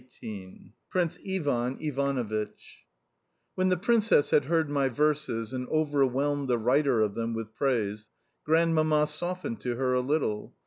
XVIII PRINCE IVAN IVANOVITCH When the Princess had heard my verses and overwhelmed the writer of them with praise, Grandmamma softened to her a little.